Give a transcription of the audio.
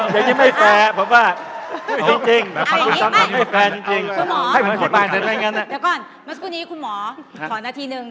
แต่จะกลับมาเกิดต้องจบภายในนาทีหนึ่ง